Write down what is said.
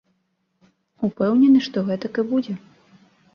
Упэўнены, што гэтак і будзе.